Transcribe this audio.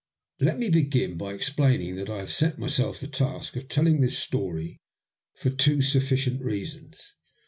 LET me begin by explaining that I have set myself the task of telling this story for two sufficient reasons.